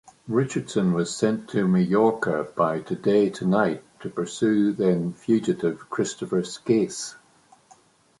Richardson was sent to Majorca by Today Tonight to pursue then-fugitive Christopher Skase.